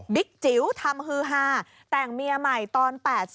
จิ๋วทำฮือฮาแต่งเมียใหม่ตอน๘๐